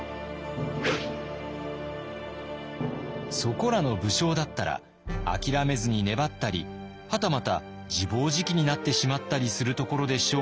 そこらの武将だったらあきらめずに粘ったりはたまた自暴自棄になってしまったりするところでしょうが。